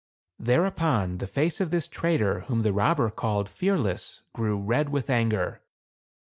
Thereupon the face of this trader whom the robber called Fearless grew red with anger.